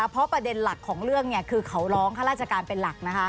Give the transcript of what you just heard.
เพราะประเด็นหลักของเรื่องคือเขาร้องข้าราชการเป็นหลัก